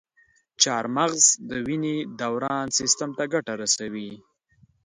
چارمغز د وینې دوران سیستم ته ګټه رسوي.